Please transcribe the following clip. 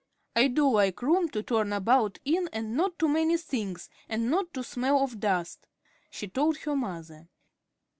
"I do like room to turn about in and not too many things, and not to smell of dust," she told her mother.